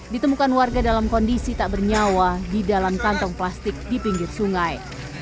ditemukan warga dalam kondisi tak bernyawa di dalam kantong plastik di pinggir sungai